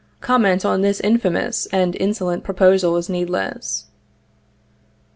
Comment on this infamous and insolent proposal is needless.